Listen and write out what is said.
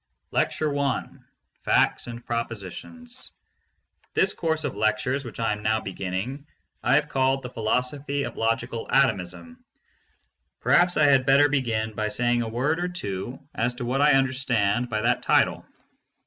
R.) I. FACTS AND PROPOSITIONS. THIS course of lectures which I am now beginning I have called the Philosophy of Logical Atomism. Per haps I had better begin by saying a word or two as to what I understand by that title.